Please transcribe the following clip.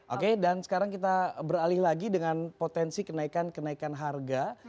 oke dan sekarang kita beralih lagi dengan potensi kenaikan kenaikan harga